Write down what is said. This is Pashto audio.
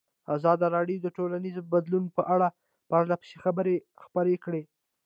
ازادي راډیو د ټولنیز بدلون په اړه پرله پسې خبرونه خپاره کړي.